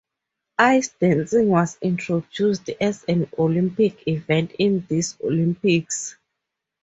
Ice dancing was introduced as an Olympic event in these Olympics.